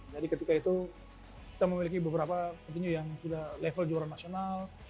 jadi ketika itu kita memiliki beberapa petunjuk yang sudah level juara nasional